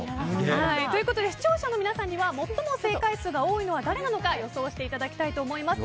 ということで視聴者の皆さんには最も正解数が多いのは誰なのか予想していただきたいと思います。